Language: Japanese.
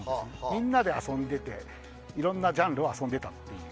みんなで遊んでいていろんなジャンルを遊んでいたと。